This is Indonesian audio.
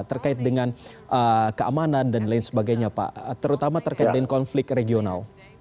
terkait dengan keamanan dan lain sebagainya pak terutama terkait dengan konflik regional